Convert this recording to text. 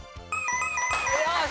よし！